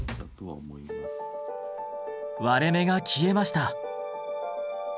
割れ目が消えました。